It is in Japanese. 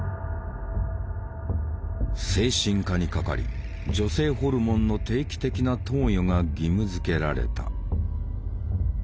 精神科にかかり女性ホルモンの定期的な投与が義務づけられた。